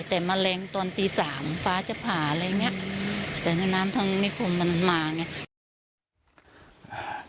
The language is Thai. แต่มะเร็งตอนตีสามฟ้าจะผ่าอะไรอย่างเงี้ยแต่ในน้ำทางนิคมมันมาไง